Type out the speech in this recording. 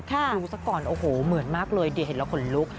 ดูซะก่อนโอ้โหเหมือนมากเลยเดี๋ยวเห็นแล้วขนลุก